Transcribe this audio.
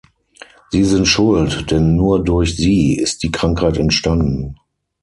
Sie sind schuld, denn nur durch Sie ist die Krankheit entstanden.